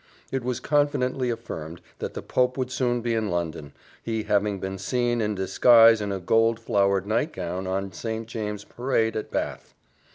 It was confidently affirmed that the Pope would soon be in London, he having been seen in disguise in a gold flowered nightgown on St. James's parade at Bath.